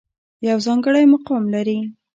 يو ځانګړے مقام لري